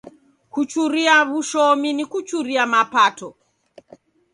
Kuchuria w'ushomi ni kuchuria mapato.